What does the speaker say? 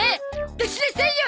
出しなさいよ